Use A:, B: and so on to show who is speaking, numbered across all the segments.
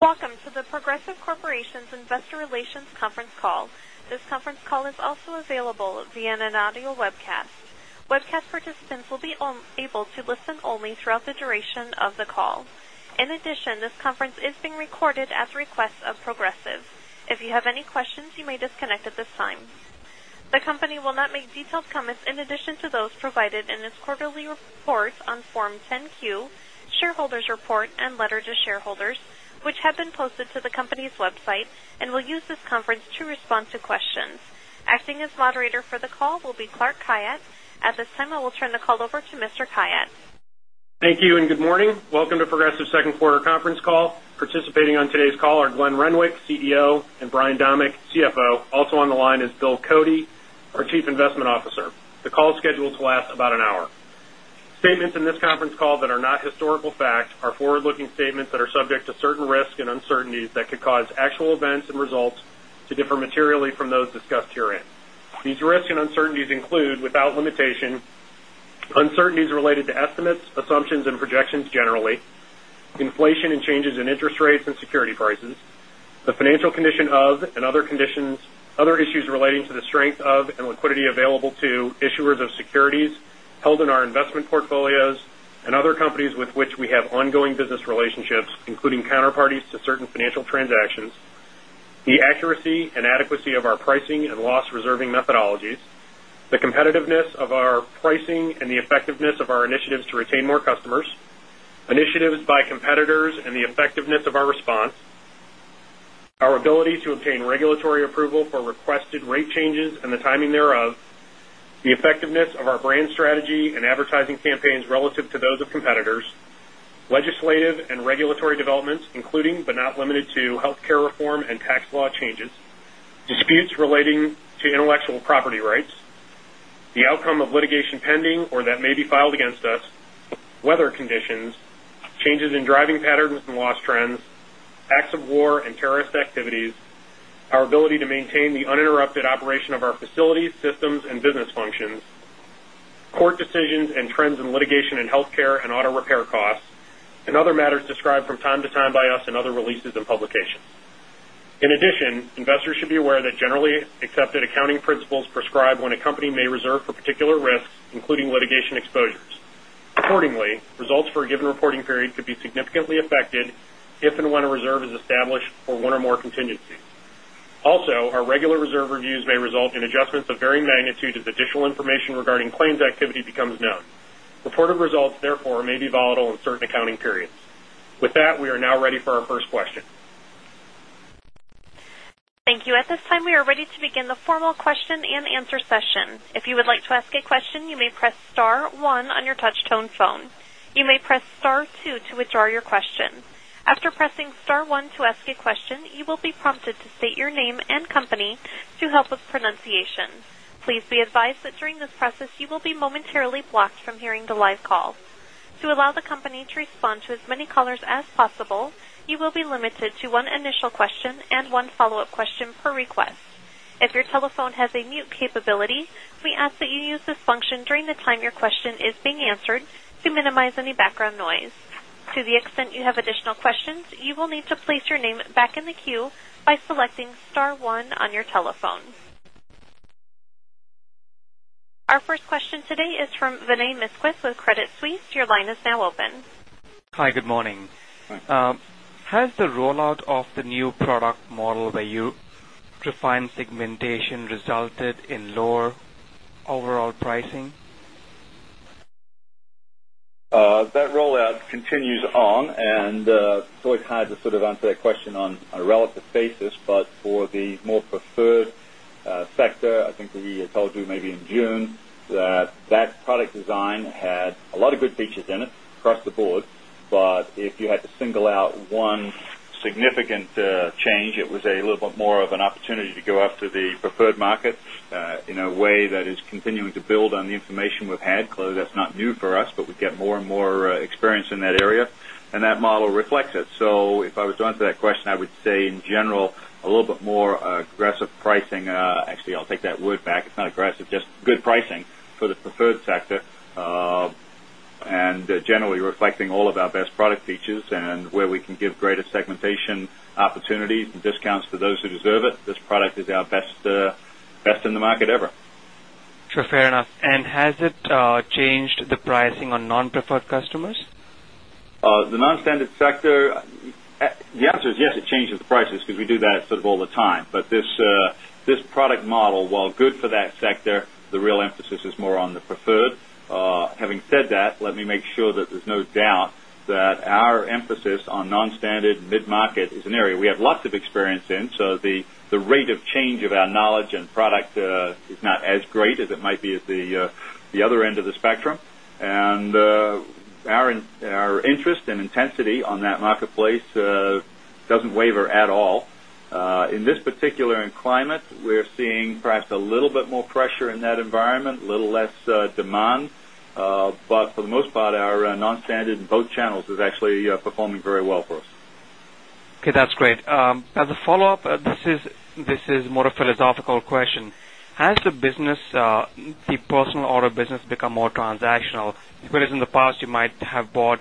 A: Welcome to The Progressive Corporation Investor Relations conference call. This conference call is also available via an audio webcast. Webcast participants will be able to listen only throughout the duration of the call. In addition, this conference is being recorded at the request of Progressive. If you have any questions, you may disconnect at this time. The company will not make detailed comments in addition to those provided in its quarterly report on Form 10-Q, shareholders report, and letter to shareholders, which have been posted to the company's website, and will use this conference to respond to questions. Acting as moderator for the call will be Clark Khayat. At this time, I will turn the call over to Mr. Khayat.
B: Thank you. Good morning. Welcome to Progressive's second quarter conference call. Participating on today's call are Glenn Renwick, CEO, and Brian Domeck, CFO. Also on the line is William Cody, our Chief Investment Officer. The call is scheduled to last about an hour. Statements in this conference call that are not historical facts are forward-looking statements that are subject to certain risks and uncertainties that could cause actual events and results to differ materially from those discussed herein. These risks and uncertainties include, without limitation, uncertainties related to estimates, assumptions, and projections generally, inflation and changes in interest rates and security prices, the financial condition of and other issues relating to the strength of and liquidity available to issuers of securities held in our investment portfolios and other companies with which we have ongoing business relationships, including counterparties to certain financial transactions, the accuracy and adequacy of our pricing and loss reserving methodologies, the competitiveness of our pricing and the effectiveness of our initiatives to retain more customers, initiatives by competitors and the effectiveness of our response, our ability to obtain regulatory approval for requested rate changes and the timing thereof, the effectiveness of our brand strategy and advertising campaigns relative to those of competitors, legislative and regulatory developments including, but not limited to, healthcare reform and tax law changes, disputes relating to intellectual property rights, the outcome of litigation pending or that may be filed against us, weather conditions, changes in driving patterns and loss trends, acts of war and terrorist activities, our ability to maintain the uninterrupted operation of our facilities, systems, and business functions, court decisions and trends in litigation in healthcare and auto repair costs, and other matters described from time to time by us in other releases and publications. In addition, investors should be aware that generally accepted accounting principles prescribe when a company may reserve for particular risks, including litigation exposures. Accordingly, results for a given reporting period could be significantly affected if and when a reserve is established for one or more contingencies. Also, our regular reserve reviews may result in adjustments of varying magnitude as additional information regarding claims activity becomes known. Reported results, therefore, may be volatile in certain accounting periods. With that, we are now ready for our first question.
A: Thank you. At this time, we are ready to begin the formal question and answer session. If you would like to ask a question, you may press star one on your touchtone phone. You may press star two to withdraw your question. After pressing star one to ask a question, you will be prompted to state your name and company to help with pronunciation. Please be advised that during this process, you will be momentarily blocked from hearing the live call. To allow the company to respond to as many callers as possible, you will be limited to one initial question and one follow-up question per request. If your telephone has a mute capability, we ask that you use this function during the time your question is being answered to minimize any background noise. To the extent you have additional questions, you will need to place your name back in the queue by selecting star one on your telephone. Our first question today is from Vinay Misquith with Credit Suisse. Your line is now open.
C: Hi, good morning.
B: Hi.
C: Has the rollout of the new product model where you refined segmentation resulted in lower overall pricing?
D: That rollout continues on. It's always hard to sort of answer that question on a relative basis. For the more preferred sector, I think that we had told you maybe in June that that product design had a lot of good features in it across the board. If you had to single out one significant change, it was a little bit more of an opportunity to go after the preferred market in a way that is continuing to build on the information we've had. Clearly, that's not new for us, but we get more and more experience in that area, and that model reflects it. If I was to answer that question, I would say in general, a little bit more aggressive pricing. Actually, I'll take that word back. It's not aggressive, just good pricing for the preferred sector.
B: Generally reflecting all of our best product features and where we can give greater segmentation opportunities and discounts to those who deserve it. This product is our best in the market ever.
C: Sure. Fair enough. Has it changed the pricing on non-preferred customers?
D: The non-standard sector, the answer is yes, it changes the prices because we do that sort of all the time. This product model, while good for that sector, the real emphasis is more on the preferred. Having said that, let me make sure that there's no doubt that our emphasis on non-standard mid-market is an area we have lots of experience in, so the rate of change of our knowledge and product is not as great as it might be at the other end of the spectrum. Our interest and intensity on that marketplace doesn't waver at all. In this particular climate, we're seeing perhaps a little bit more pressure in that environment, a little less demand. For the most part, our non-standard in both channels is actually performing very well for us.
C: Okay, that's great. As a follow-up, this is more a philosophical question. Has the personal auto business become more transactional? Whereas in the past you might have bought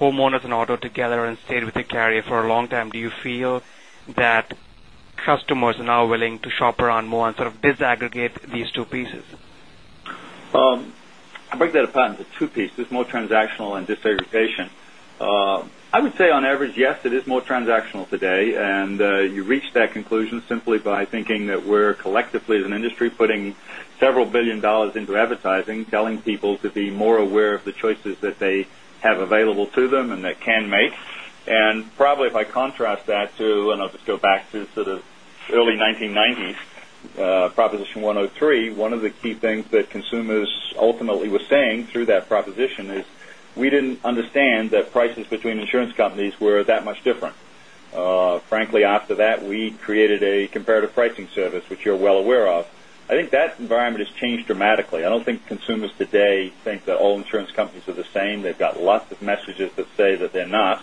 C: homeowners and auto together and stayed with the carrier for a long time, do you feel that customers are now willing to shop around more and sort of disaggregate these two pieces?
D: I'll break that apart into two pieces, more transactional and disaggregation. I would say on average, yes, it is more transactional today, and you reach that conclusion simply by thinking that we're collectively as an industry, putting several billion dollars into advertising, telling people to be more aware of the choices that they have available to them and they can make. Probably if I contrast that to, I'll just go back to the early 1990s, Proposition 103, one of the key things that consumers ultimately were saying through that proposition is, we didn't understand that prices between insurance companies were that much different. Frankly, after that, we created a comparative pricing service, which you're well aware of. I think that environment has changed dramatically. I don't think consumers today think that all insurance companies are the same. They've got lots of messages that say that they're not.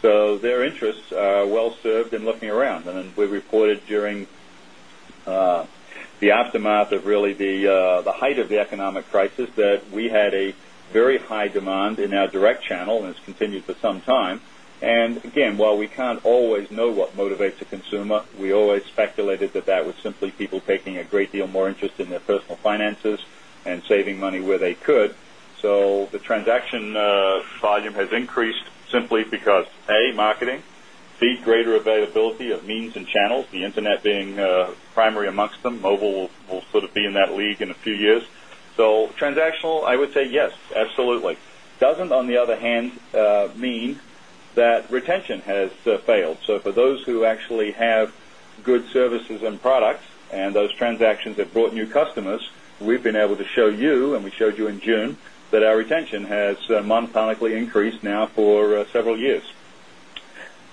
D: Their interests are well-served in looking around. As we reported during the aftermath of really the height of the economic crisis, that we had a very high demand in our direct channel, and it's continued for some time. Again, while we can't always know what motivates a consumer, we always speculated that was simply people taking a great deal more interest in their personal finances and saving money where they could. The transaction volume has increased simply because, A, marketing, B, greater availability of means and channels, the internet being primary amongst them. Mobile will sort of be in that league in a few years. Transactional, I would say yes, absolutely. Doesn't, on the other hand, mean that retention has failed. For those who actually have good services and products, and those transactions have brought new customers, we've been able to show you, and we showed you in June, that our retention has monotonically increased now for several years.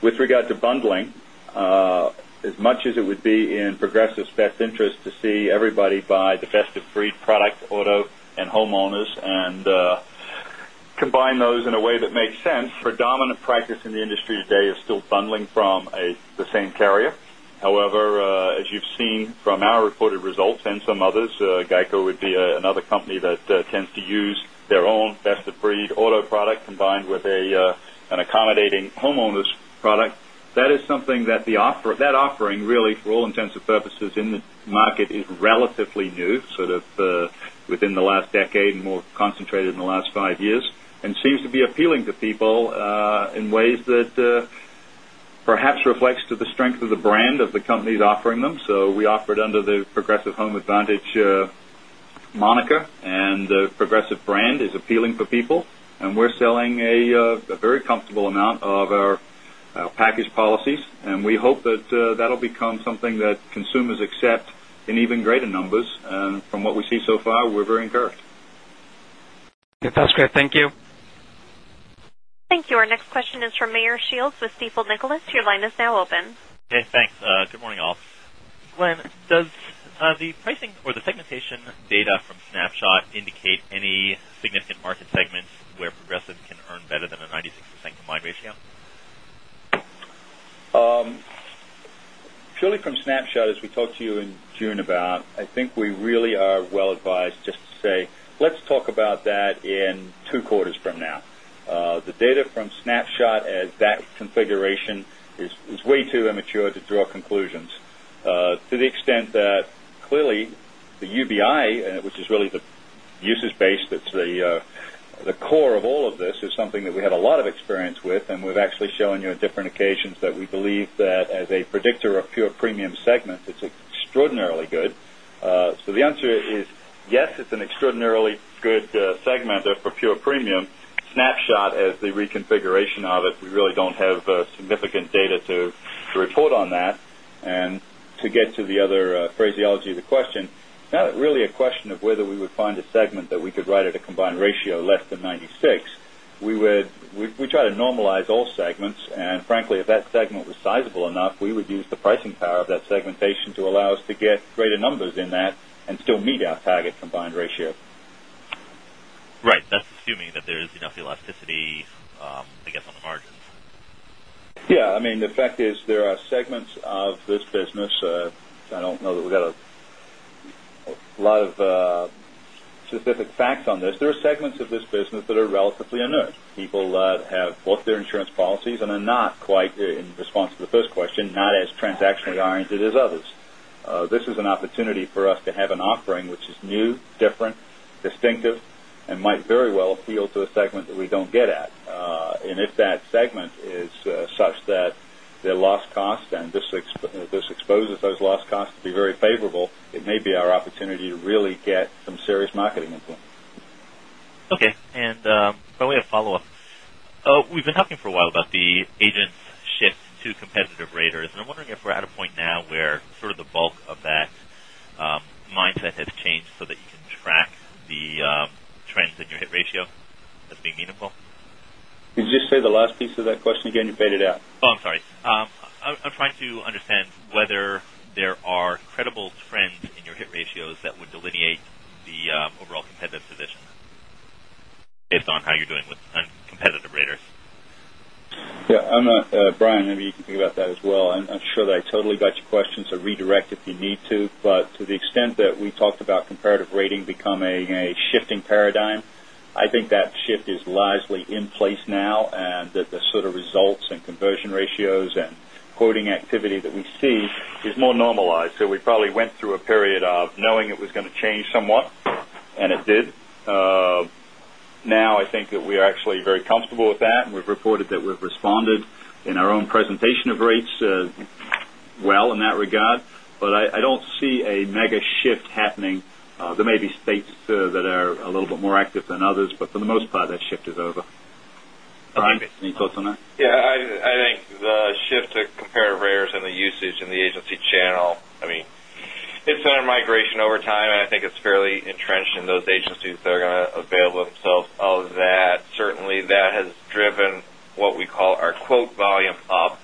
D: With regard to bundling, as much as it would be in Progressive's best interest to see everybody buy the best-of-breed product, auto and homeowners, and combine those in a way that makes sense, predominant practice in the industry today is still bundling from the same carrier. However, as you've seen from our reported results and some others, GEICO would be another company that tends to use their own best-of-breed auto product combined with an accommodating homeowners product. That offering really for all intents and purposes in the market is relatively new, sort of within the last decade, more concentrated in the last five years, and seems to be appealing to people in ways that perhaps reflects to the strength of the brand of the companies offering them. We offer it under the Progressive Home Advantage moniker. The Progressive brand is appealing for people, and we're selling a very comfortable amount of our package policies, and we hope that'll become something that consumers accept in even greater numbers. From what we see so far, we're very encouraged.
C: That's great. Thank you.
A: Thank you. Our next question is from Meyer Shields with Stifel Nicolaus. Your line is now open.
E: Okay, thanks. Good morning, all. Glenn, does the pricing or the segmentation data from Snapshot indicate any significant market segments where Progressive can earn better than a 96% combined ratio?
D: Purely from Snapshot, as we talked to you in June about, I think we really are well-advised just to say, let's talk about that in two quarters from now. The data from Snapshot at that configuration is way too immature to draw conclusions. To the extent that clearly the UBI, which is really the usage base, that's the core of all of this, is something that we have a lot of experience with, and we've actually shown you on different occasions that we believe that as a predictor of pure premium segments, it's extraordinarily good. The answer is, yes, it's an extraordinarily good segment for pure premium. Snapshot, as the reconfiguration of it, we really don't have significant data to report on that. To get to the other phraseology of the question, not really a question of whether we would find a segment that we could write at a combined ratio less than 96. We try to normalize all segments. Frankly, if that segment was sizable enough, we would use the pricing power of that segmentation to allow us to get greater numbers in that and still meet our target combined ratio.
E: Right. That's assuming that there is enough elasticity, I guess, on the margins.
D: Yeah. The fact is, there are segments of this business, I don't know that we've got a lot of specific facts on this. There are segments of this business that are relatively inert. People that have both their insurance policies and are not quite, in response to the first question, not as transactionally oriented as others. This is an opportunity for us to have an offering, which is new, different, distinctive, and might very well appeal to a segment that we don't get at. If that segment is such that their loss cost and this exposes those loss costs to be very favorable, it may be our opportunity to really get some serious marketing influence.
E: Okay. Probably a follow-up. We've been talking for a while about the agents' shift to comparative raters, and I'm wondering if we're at a point now where sort of the bulk of that mindset has changed so that you can track the trends in your hit ratio as being meaningful?
D: Could you just say the last piece of that question again? You faded out.
E: Oh, I'm sorry. I'm trying to understand whether there are credible trends in your hit ratios that would delineate the overall competitiveness
D: Yeah, Brian, maybe you can think about that as well. I'm sure that I totally got your question, so redirect if you need to. To the extent that we talked about comparative rating become a shifting paradigm, I think that shift is largely in place now, and that the sort of results and conversion ratios and quoting activity that we see is more normalized. We probably went through a period of knowing it was going to change somewhat, and it did. Now I think that we are actually very comfortable with that, and we've reported that we've responded in our own presentation of rates well in that regard. I don't see a mega shift happening. There may be states that are a little bit more active than others, but for the most part, that shift is over. Brian, any thoughts on that?
F: Yeah, I think the shift to comparative raters and the usage in the agency channel, it's been a migration over time, and I think it's fairly entrenched in those agencies that are going to avail themselves of that. Certainly, that has driven what we call our quote volume up,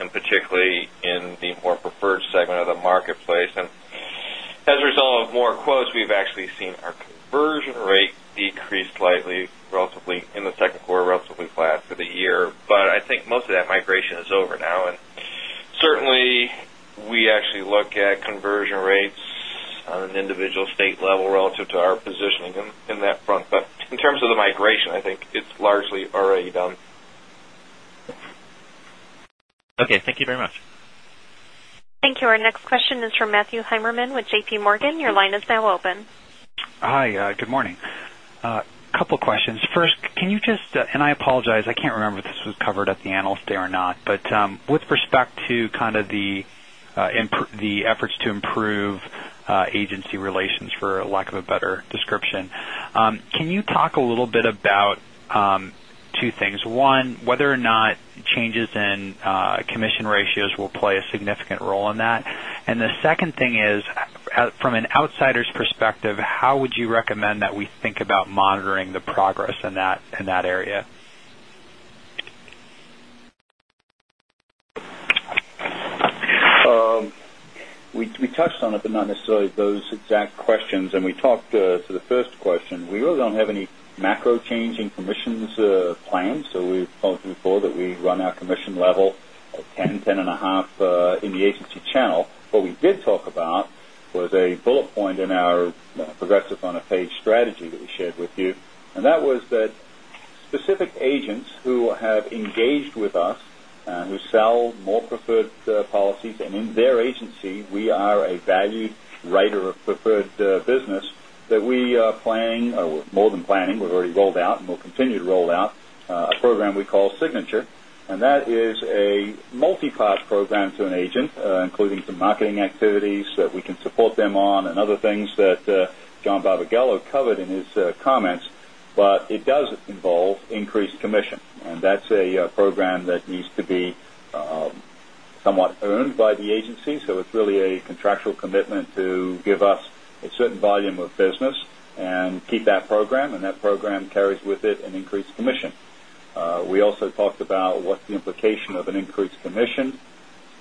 F: and particularly in the more preferred segment of the marketplace. As a result of more quotes, we've actually seen our conversion rate decrease slightly in the second quarter, relatively flat for the year. I think most of that migration is over now. Certainly, we actually look at conversion rates on an individual state level relative to our positioning in that front. In terms of the migration, I think it's largely already done.
E: Okay, thank you very much.
A: Thank you. Our next question is from Matthew Heimermann with JPMorgan. Your line is now open.
G: Hi. Good morning. Couple questions. First, can you just, and I apologize, I can't remember if this was covered at the analyst day or not, but with respect to kind of the efforts to improve agency relations, for lack of a better description, can you talk a little bit about two things? One, whether or not changes in commission ratios will play a significant role in that. The second thing is, from an outsider's perspective, how would you recommend that we think about monitoring the progress in that area?
D: We touched on it, but not necessarily those exact questions. We talked to the first question. We really don't have any macro-changing commissions planned. We've told you before that we run our commission level at 10 and a half in the agency channel. What we did talk about was a bullet point in our progress is on a page strategy that we shared with you, and that was that specific agents who have engaged with us, who sell more preferred policies, and in their agency, we are a valued writer of preferred business, that we are planning, or more than planning, we've already rolled out, and we'll continue to roll out a program we call Signature. That is a multi-part program to an agent, including some marketing activities that we can support them on and other things that John Barbagallo covered in his comments. It does involve increased commission, and that's a program that needs to be somewhat earned by the agency. It's really a contractual commitment to give us a certain volume of business and keep that program, and that program carries with it an increased commission. We also talked about what the implication of an increased commission.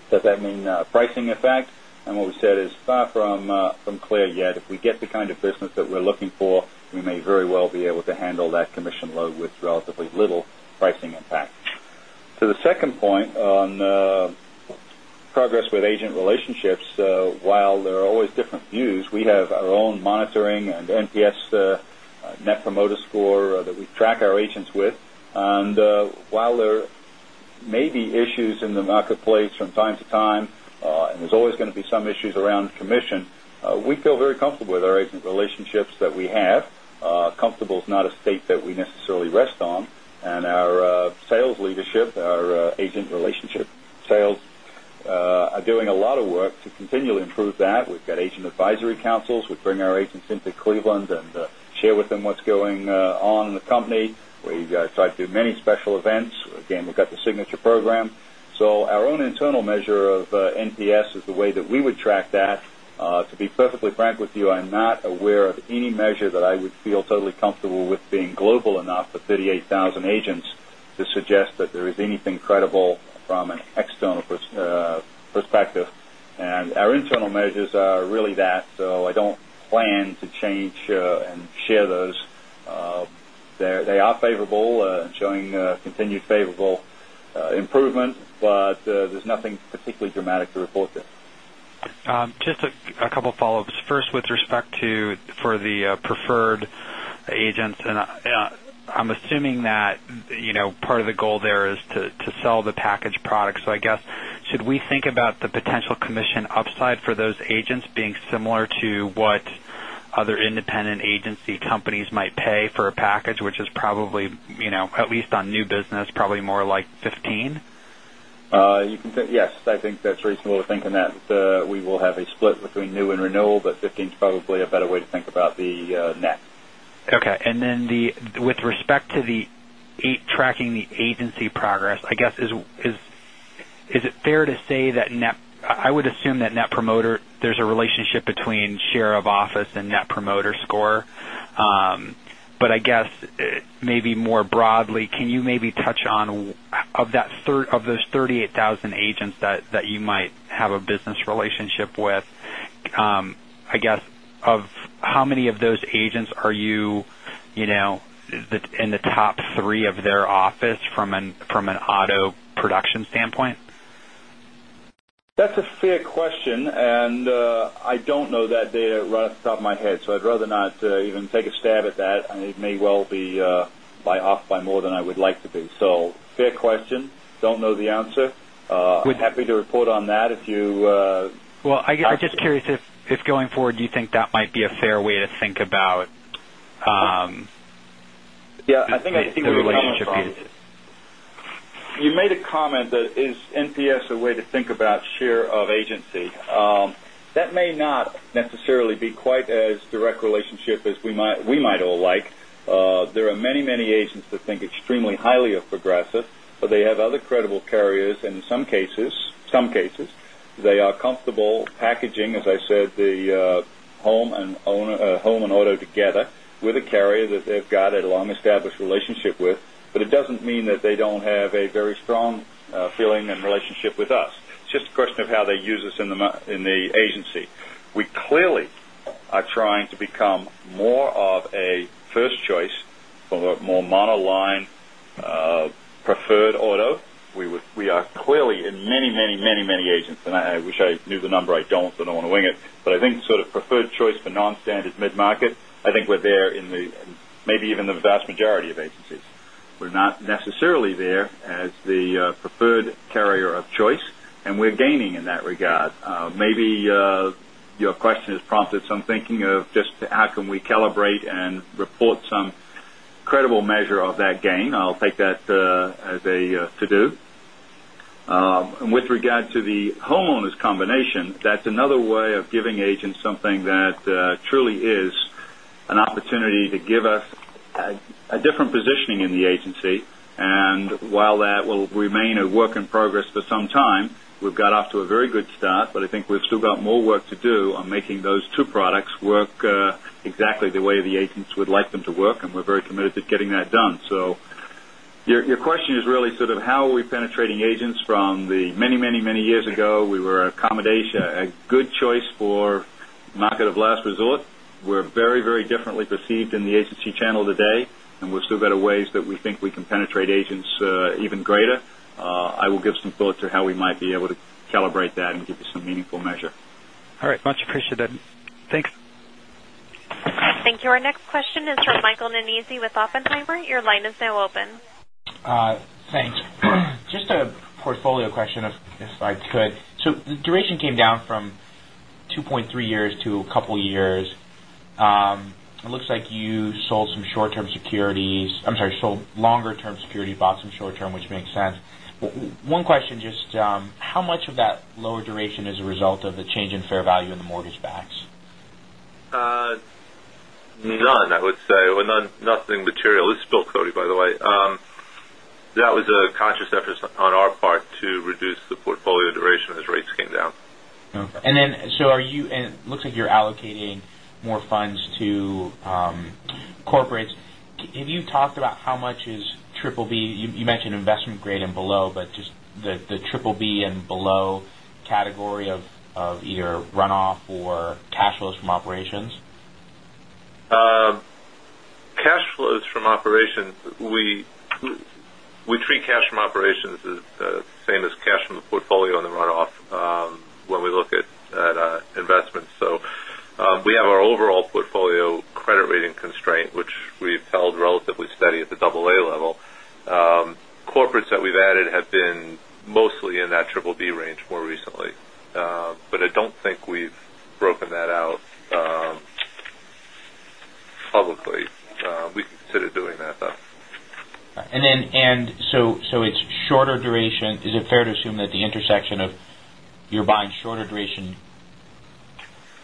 D: Does that mean a pricing effect? What we said is far from clear yet. If we get the kind of business that we're looking for, we may very well be able to handle that commission load with relatively little pricing impact. To the second point on progress with agent relationships, while there are always different views, we have our own monitoring and NPS, Net Promoter Score, that we track our agents with. While there may be issues in the marketplace from time to time, and there's always going to be some issues around commission, we feel very comfortable with our agent relationships that we have. Comfortable is not a state that we necessarily rest on. Our sales leadership, our agent relationship sales, are doing a lot of work to continually improve that. We've got agent advisory councils. We bring our agents into Cleveland and share with them what's going on in the company. We try to do many special events. Again, we've got the Signature program. Our own internal measure of NPS is the way that we would track that. To be perfectly frank with you, I'm not aware of any measure that I would feel totally comfortable with being global enough for 38,000 agents to suggest that there is anything credible from an external perspective. Our internal measures are really that. I don't plan to change and share those. They are favorable and showing continued favorable improvement, but there's nothing particularly dramatic to report there.
G: Just a couple follow-ups. First, with respect to for the preferred agents, I'm assuming that part of the goal there is to sell the package product. I guess, should we think about the potential commission upside for those agents being similar to what other independent agency companies might pay for a package which is probably, at least on new business, probably more like 15%?
D: Yes. I think that's reasonable to think in that we will have a split between new and renewal, but 15% is probably a better way to think about the net.
G: Okay. With respect to the tracking the agency progress, I guess, is it fair to say that I would assume that Net Promoter, there's a relationship between share of office and Net Promoter Score. I guess maybe more broadly, can you maybe touch on, of those 38,000 agents that you might have a business relationship with I guess, how many of those agents are you in the top 3 of their office from an auto production standpoint?
D: That's a fair question, and I don't know that data right off the top of my head, so I'd rather not even take a stab at that. It may well be off by more than I would like to be. Fair question, don't know the answer.
G: Good.
D: Happy to report on that if you.
G: Well, I'm just curious if going forward, do you think that might be a fair way to think about?
D: Yeah, I think I see where you're coming from.
G: the relationship is.
D: You made a comment that is NPS a way to think about share of agency. That may not necessarily be quite as direct relationship as we might all like. There are many, many agents that think extremely highly of Progressive, but they have other credible carriers, and in some cases, they are comfortable packaging, as I said, the home and auto together with a carrier that they've got a long-established relationship with. It doesn't mean that they don't have a very strong feeling and relationship with us. It's just a question of how they use us in the agency. We clearly are trying to become more of a first choice for a more monoline preferred auto. We are clearly in many, many agents, and I wish I knew the number. I don't, so I don't want to wing it. I think sort of preferred choice for non-standard mid-market, I think we're there in maybe even the vast majority of agencies. We're not necessarily there as the preferred carrier of choice, and we're gaining in that regard. Maybe your question has prompted some thinking of just how can we calibrate and report some credible measure of that gain. I'll take that as a to-do. With regard to the homeowners combination, that's another way of giving agents something that truly is an opportunity to give us a different positioning in the agency. While that will remain a work in progress for some time, we've got off to a very good start, but I think we've still got more work to do on making those two products work exactly the way the agents would like them to work, and we're very committed to getting that done. Your question is really sort of how are we penetrating agents from the many, many years ago, we were a good choice for market of last resort. We're very, very differently perceived in the agency channel today, and we've still got ways that we think we can penetrate agents even greater. I will give some thought to how we might be able to calibrate that and give you some meaningful measure.
G: All right. Much appreciated. Thanks.
A: Thank you. Our next question is from Michael Nannizzi with Oppenheimer. Your line is now open.
H: Thanks. Just a portfolio question, if I could. The duration came down from 2.3 years to a couple years. It looks like you sold some short-term securities. I'm sorry, sold longer-term security, bought some short-term, which makes sense. One question, just how much of that lower duration is a result of the change in fair value in the mortgage backs?
I: None, I would say, or nothing material. This is William Cody, by the way. That was a conscious effort on our part to reduce the portfolio duration as rates came down.
H: Okay. It looks like you're allocating more funds to corporates. Can you talk about how much is triple B? You mentioned investment grade and below, but just the triple B and below category of either runoff or cash flows from operations.
I: Cash flows from operations. We treat cash from operations as the same as cash from the portfolio on the runoff when we look at investments. We have our overall portfolio credit rating constraint, which we've held relatively steady at the double A level. Corporates that we've added have been mostly in that triple B range more recently. I don't think we've broken that out publicly. We can consider doing that, though.
H: It's shorter duration. Is it fair to assume that the intersection of you're buying shorter duration,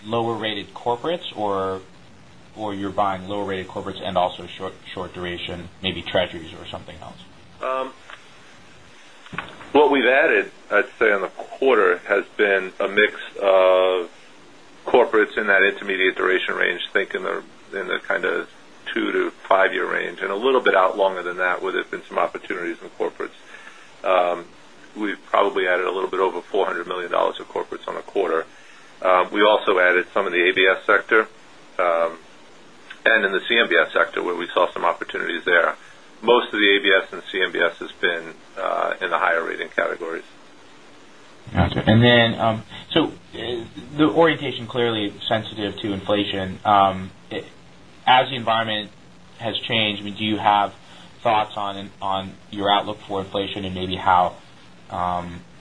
H: lower-rated corporates, or you're buying lower-rated corporates and also short duration, maybe treasuries or something else?
I: What we've added, I'd say on the quarter, has been a mix of corporates in that intermediate duration range, think in the kind of 2 to 5-year range and a little bit out longer than that where there's been some opportunities in corporates. We've probably added a little bit over $400 million of corporates on the quarter. We also added some of the ABS sector, and in the CMBS sector where we saw some opportunities there. Most of the ABS and CMBS has been in the higher rating categories.
H: Got you. The orientation clearly sensitive to inflation. As the environment has changed, do you have thoughts on your outlook for inflation and maybe how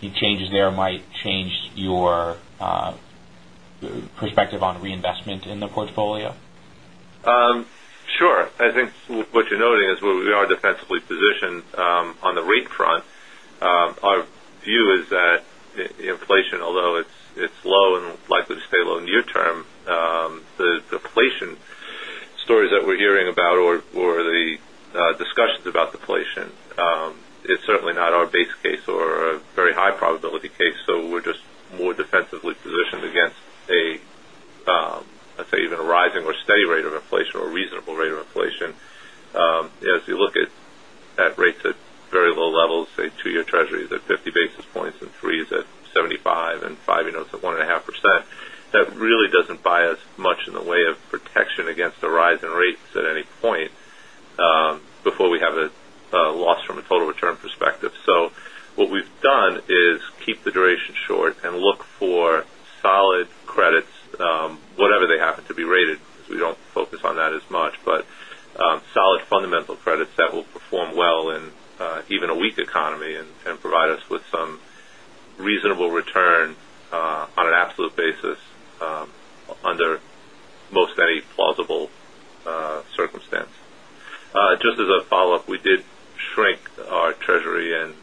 H: the changes there might change your perspective on reinvestment in the portfolio?
I: Sure. I think what you're noting is we are defensively positioned on the rate front. Our view is that inflation, although it's low and likely to stay low near term, the deflation stories that we're hearing about or the discussions about deflation is certainly not our base case or a very high probability case. We're just more defensively positioned against, let's say, even a rising or steady rate of inflation or a reasonable rate of inflation. As you look at At rates at very low levels, say two-year treasuries at 50 basis points and threes at 75 and five, it's at 1.5%. That really doesn't buy us much in the way of protection against the rise in rates at any point, before we have a loss from a total return perspective. What we've done is keep the duration short and look for solid credits, whatever they happen to be rated, because we don't focus on that as much. Solid fundamental credits that will perform well in even a weak economy and provide us with some reasonable return on an absolute basis under most any plausible circumstance. Just as a follow-up, we did shrink our treasury and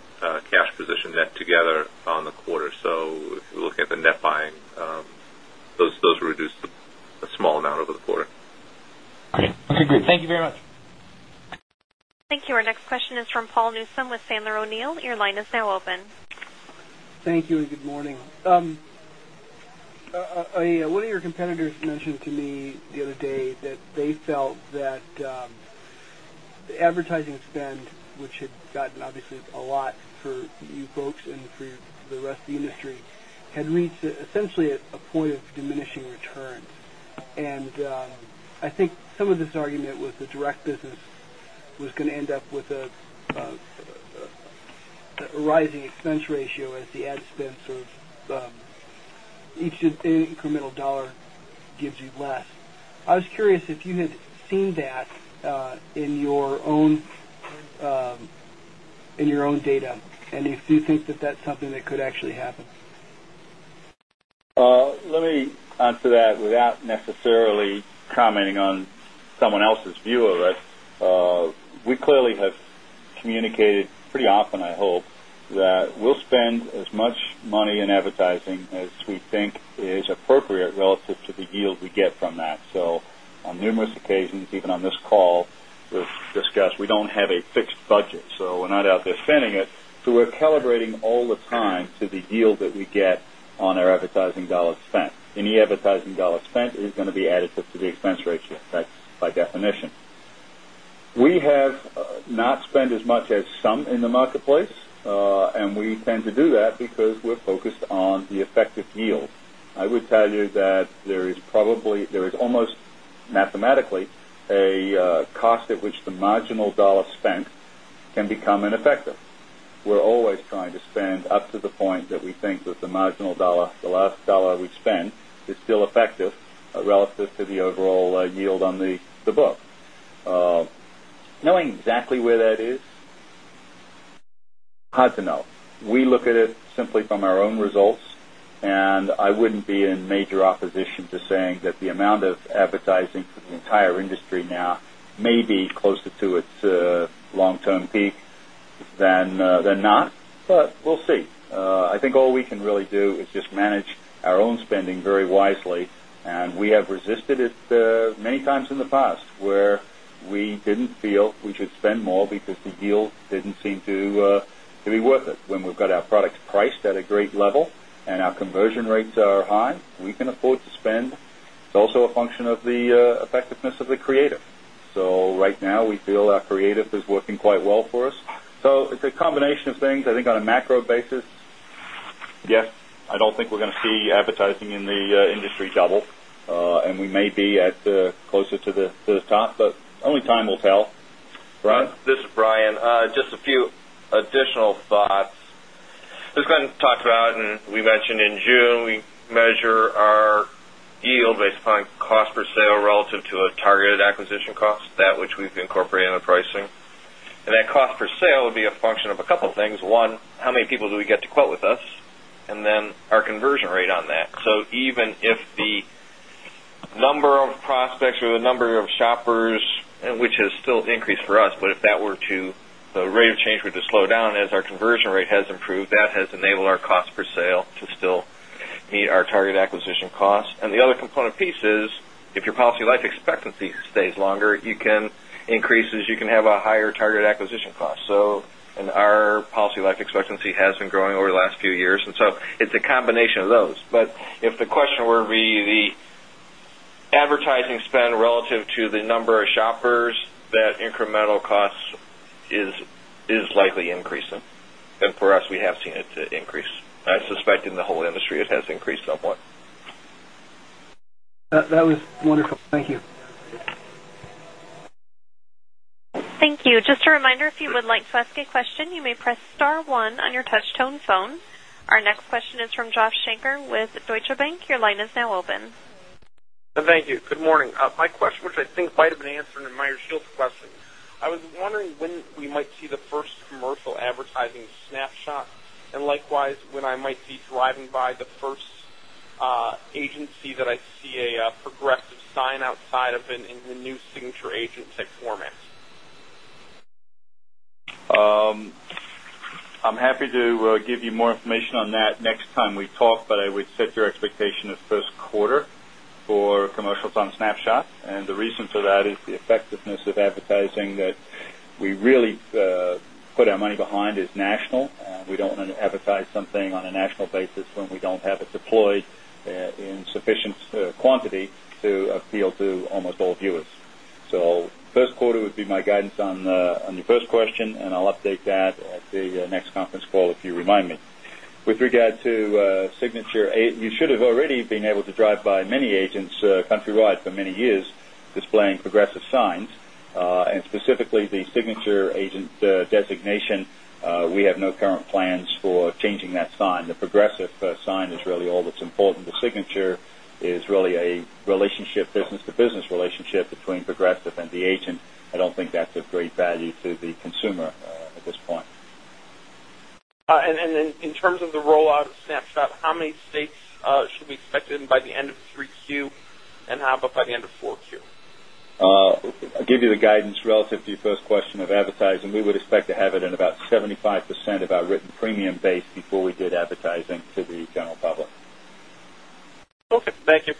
I: cash position net together on the quarter. If you look at the net buying, those reduced a small amount over the quarter.
H: Okay, great. Thank you very much.
A: Thank you. Our next question is from Paul Newsome with Sandler O'Neill. Your line is now open.
J: Thank you and good morning. One of your competitors mentioned to me the other day that they felt that the advertising spend, which had gotten obviously a lot for you folks and for the rest of the industry, had reached essentially a point of diminishing return. I think some of this argument with the direct business was going to end up with a rising expense ratio as the ad spend, so each incremental dollar gives you less. I was curious if you had seen that in your own data and if you think that that's something that could actually happen.
I: Let me answer that without necessarily commenting on someone else's view of it. We clearly have communicated pretty often, I hope, that we'll spend as much money in advertising as we think is appropriate relative to the yield we get from that. On numerous occasions, even on this call, we've discussed we don't have a fixed budget, so we're not out there spending it. We're calibrating all the time to the yield that we get on our advertising dollar spent. Any advertising dollar spent is going to be additive to the expense ratio. That's by definition. We have not spent as much as some in the marketplace. We tend to do that because we're focused on the effective yield. I would tell you that there is almost mathematically a cost at which the marginal dollar spent can become ineffective. We're always trying to spend up to the point that we think that the marginal dollar, the last dollar we spend, is still effective relative to the overall yield on the book. Knowing exactly where that is, hard to know. We look at it simply from our own results, I wouldn't be in major opposition to saying that the amount of advertising for the entire industry now may be closer to its long-term peak than not. We'll see. I think all we can really do is just manage our own spending very wisely. We have resisted it many times in the past where we didn't feel we should spend more because the yield didn't seem to be worth it. When we've got our products priced at a great level and our conversion rates are high, we can afford to spend.
F: It's also a function of the effectiveness of the creative. Right now, we feel our creative is working quite well for us. It's a combination of things. I think on a macro basis, yes, I don't think we're going to see advertising in the industry double. We may be at closer to the top, but only time will tell. Brian? This is Brian. Just a few additional thoughts. This has been talked about, we mentioned in June, we measure our yield based upon cost per sale relative to a targeted acquisition cost, that which we've incorporated into pricing. That cost per sale would be a function of a couple things. One, how many people do we get to quote with us, and then our conversion rate on that. Even if the number of prospects or the number of shoppers, which has still increased for us, but if the rate of change were to slow down as our conversion rate has improved, that has enabled our cost per sale to still meet our target acquisition cost. The other component piece is if your policy life expectancy stays longer, it increases, you can have a higher target acquisition cost. Our policy life expectancy has been growing over the last few years, so it's a combination of those. If the question were the advertising spend relative to the number of shoppers, that incremental cost is likely increasing. For us, we have seen it increase. I suspect in the whole industry, it has increased somewhat.
J: That was wonderful. Thank you.
A: Thank you. Just a reminder, if you would like to ask a question, you may press *1 on your touchtone phone. Our next question is from Joshua Shanker with Deutsche Bank. Your line is now open.
K: Thank you. Good morning. My question, which I think might have been answered in Meyer Shields' question. I was wondering when we might see the first commercial advertising Snapshot, and likewise, when I might be driving by the first agency that I see a Progressive sign outside of it in the new Signature agency format.
D: I'm happy to give you more information on that next time we talk. I would set your expectation of first quarter for commercials on Snapshot. The reason for that is the effectiveness of advertising that we really Put our money behind is national. We don't want to advertise something on a national basis when we don't have it deployed in sufficient quantity to appeal to almost all viewers. First quarter would be my guidance on the first question, and I'll update that at the next conference call if you remind me. With regard to Signature, you should have already been able to drive by many agents countrywide for many years displaying Progressive signs, and specifically the Signature agent designation. We have no current plans for changing that sign. The Progressive sign is really all that's important. The Signature is really a business-to-business relationship between Progressive and the agent. I don't think that's of great value to the consumer at this point.
K: In terms of the rollout of Snapshot, how many states should be expected by the end of 3Q and how about by the end of 4Q?
D: I'll give you the guidance relative to your first question of advertising. We would expect to have it in about 75% of our written premium base before we did advertising to the general public.
K: Okay. Thank you.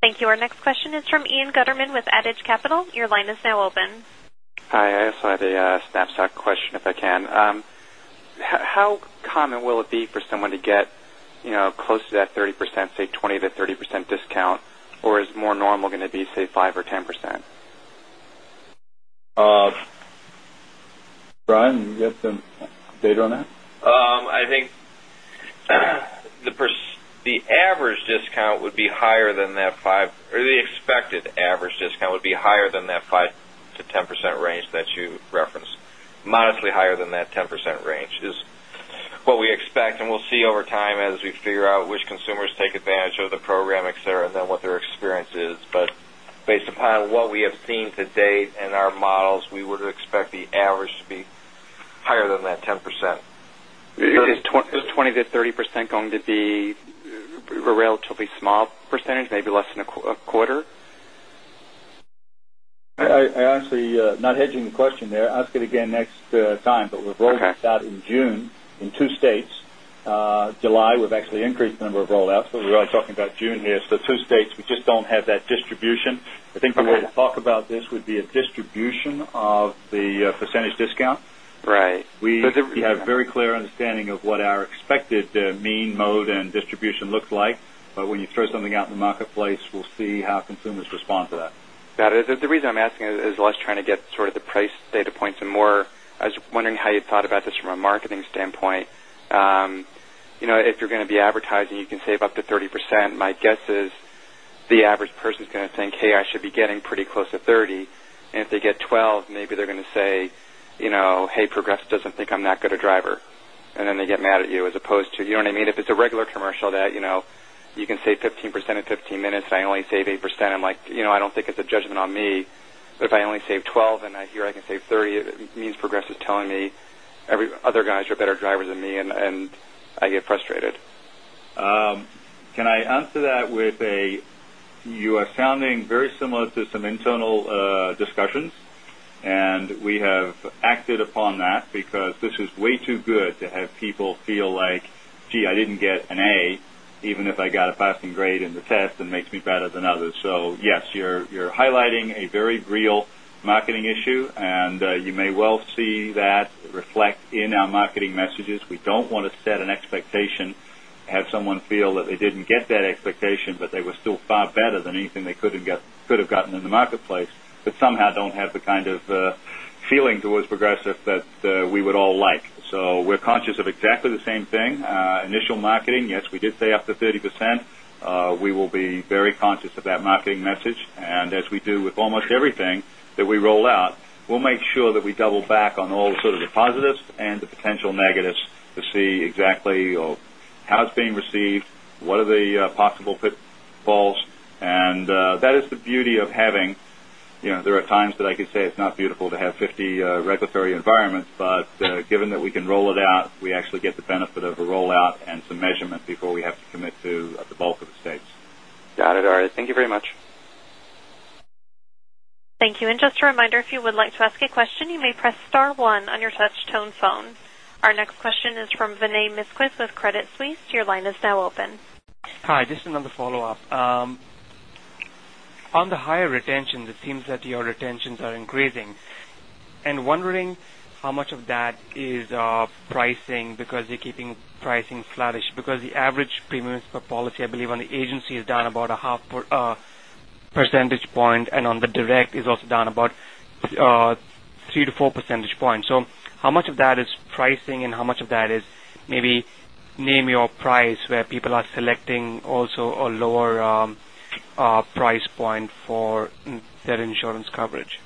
A: Thank you. Our next question is from Ian Gutterman with Adage Capital. Your line is now open.
L: Hi. I also had a Snapshot question, if I can. How common will it be for someone to get close to that 30%, say 20%-30% discount, or is more normal going to be, say, 5% or 10%?
D: Brian, you got some data on that?
F: I think the average discount would be higher than that, or the expected average discount would be higher than that 5%-10% range that you referenced. Modestly higher than that 10% range is what we expect, and we'll see over time as we figure out which consumers take advantage of the program, et cetera, and then what their experience is. Based upon what we have seen to date in our models, we would expect the average to be higher than that 10%.
L: Is 20%-30% going to be a relatively small percentage, maybe less than a quarter?
D: Not hedging the question there. Ask it again next time.
L: Okay.
D: We've rolled this out in June in two states. July, we've actually increased the number of rollouts, but we're really talking about June here. Two states, we just don't have that distribution. I think the way to talk about this would be a distribution of the percentage discount.
L: Right.
D: We have a very clear understanding of what our expected mean, mode, and distribution looks like. When you throw something out in the marketplace, we'll see how consumers respond to that.
L: Got it. The reason I'm asking is less trying to get sort of the price data points and more, I was wondering how you thought about this from a marketing standpoint. If you're going to be advertising, you can save up to 30%. My guess is the average person's going to think, "Hey, I should be getting pretty close to 30." If they get 12, maybe they're going to say, "Hey, Progressive doesn't think I'm that good a driver." Then they get mad at you as opposed to, you know what I mean? If it's a regular commercial that you can save 15% in 15 minutes and I only save 8%, I'm like, I don't think it's a judgment on me. If I only save 12 and I hear I can save 30%, it means Progressive's telling me other guys are better drivers than me, and I get frustrated.
D: Can I answer that? You are sounding very similar to some internal discussions, and we have acted upon that because this is way too good to have people feel like, "Gee, I didn't get an A, even if I got a passing grade in the test, it makes me better than others." Yes, you're highlighting a very real marketing issue, and you may well see that reflect in our marketing messages. We don't want to set an expectation, have someone feel that they didn't get that expectation, but they were still far better than anything they could have gotten in the marketplace, but somehow don't have the kind of feeling towards Progressive that we would all like. We're conscious of exactly the same thing. Initial marketing, yes, we did say up to 30%. We will be very conscious of that marketing message. As we do with almost everything that we roll out, we'll make sure that we double back on all sort of the positives and the potential negatives to see exactly how it's being received, what are the possible pitfalls. That is the beauty of having There are times that I could say it's not beautiful to have 50 regulatory environments, but given that we can roll it out, we actually get the benefit of a rollout and some measurement before we have to commit to the bulk of the states.
L: Got it. All right. Thank you very much.
A: Thank you. Just a reminder, if you would like to ask a question, you may press star one on your touch tone phone. Our next question is from Vinay Misquith with Credit Suisse. Your line is now open.
C: Hi. Just another follow-up. On the higher retention, it seems that your retentions are increasing. Wondering how much of that is pricing because you're keeping pricing flattish because the average premiums per policy, I believe, on the agency is down about a half percentage point, and on the direct is also down about 3 to 4 percentage points. How much of that is pricing and how much of that is maybe Name Your Price, where people are selecting also a lower price point for their insurance coverage?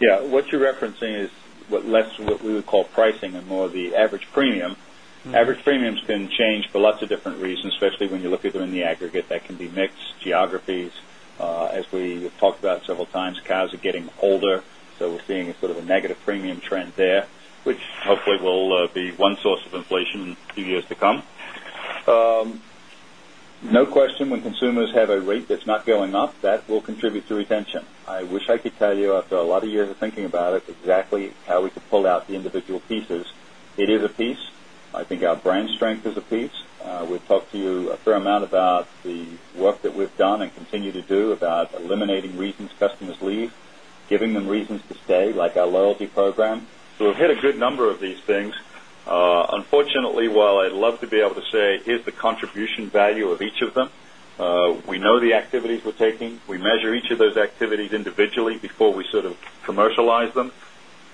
D: Yeah. What you're referencing is less what we would call pricing and more the average premium. Average premium's been changed for lots of different reasons, especially when you look at them in the aggregate. That can be mix, geographies. As we have talked about several times, cars are getting older. We're seeing a sort of a negative premium trend there, which hopefully will be one source of inflation in few years to come. No question when consumers have a rate that's not going up, that will contribute to retention. I wish I could tell you after a lot of years of thinking about it, exactly how we could pull out the individual pieces. It is a piece. I think our brand strength is a piece. We've talked to you a fair amount about the work that we've done and continue to do about eliminating reasons customers leave, giving them reasons to stay, like our loyalty program. We've hit a good number of these things. Unfortunately, while I'd love to be able to say, "Here's the contribution value of each of them," we know the activities we're taking. We measure each of those activities individually before we sort of commercialize them.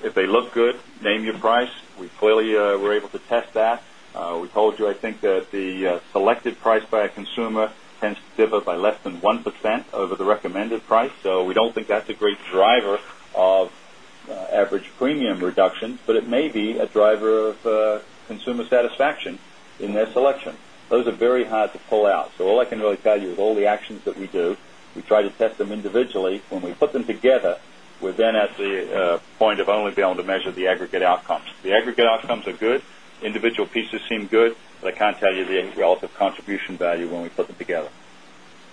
D: If they look good, Name Your Price. We clearly were able to test that. We told you, I think, that the selected price by a consumer tends to differ by less than 1% over the recommended price. We don't think that's a great driver of average premium reduction, but it may be a driver of consumer satisfaction in their selection. Those are very hard to pull out. All I can really tell you is all the actions that we do, we try to test them individually. When we put them together, we're then at the point of only being able to measure the aggregate outcomes. The aggregate outcomes are good. Individual pieces seem good, but I can't tell you the relative contribution value when we put them together.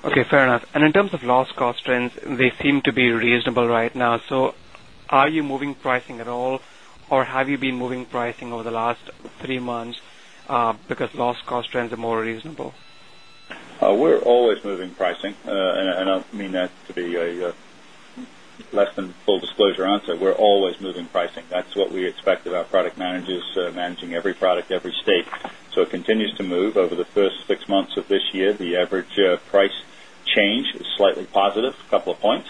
C: Okay, fair enough. In terms of loss cost trends, they seem to be reasonable right now. Are you moving pricing at all, or have you been moving pricing over the last three months because loss cost trends are more reasonable?
D: We're always moving pricing, I don't mean that to be a less than full disclosure answer. We're always moving pricing. That's what we expect of our product managers managing every product, every state. It continues to move. Over the first six months of this year, the average price change is slightly positive, a couple of points.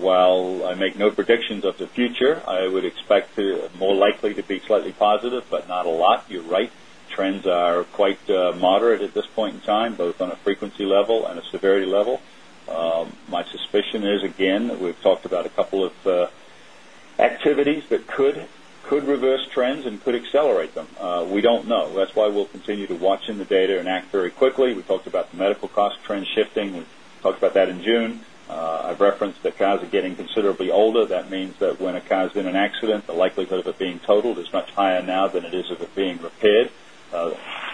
D: While I make no predictions of the future, I would expect it more likely to be slightly positive, but not a lot. You're right. Trends are quite moderate at this point in time, both on a frequency level and a severity level. My suspicion is, again, that we've talked about a couple of activities that could reverse trends and could accelerate them. We don't know. That's why we'll continue to watch in the data and act very quickly. We talked about the medical cost trend shifting. We talked about that in June. I've referenced that cars are getting considerably older. That means that when a car is in an accident, the likelihood of it being totaled is much higher now than it is of it being repaired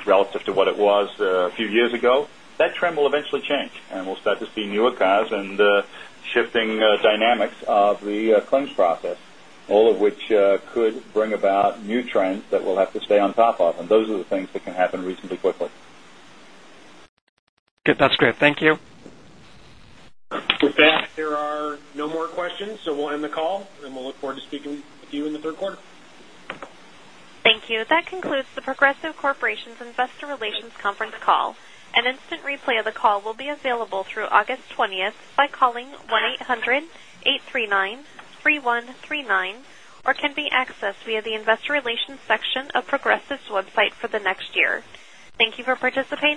D: relative to what it was a few years ago. That trend will eventually change, we'll start to see newer cars and shifting dynamics of the claims process, all of which could bring about new trends that we'll have to stay on top of, those are the things that can happen reasonably quickly.
C: Good. That's great. Thank you.
D: With that, there are no more questions, we'll end the call, we'll look forward to speaking with you in the third quarter.
A: Thank you. That concludes The Progressive Corporation investor relations conference call. An instant replay of the call will be available through August 20th by calling 1-800-839-3139 or can be accessed via the investor relations section of Progressive's website for the next year. Thank you for participating